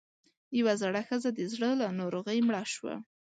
يوه زړه ښځۀ د زړۀ له ناروغۍ مړه شوه